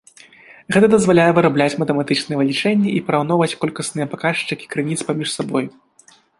Гэта дазваляе вырабляць матэматычныя вылічэнні і параўноўваць колькасныя паказчыкі крыніц паміж сабой.